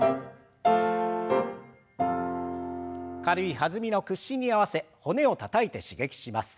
軽い弾みの屈伸に合わせ骨をたたいて刺激します。